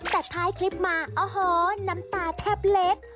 แต่ท้ายคลิปมาโอ้โหน้ำตาแทบเล็ก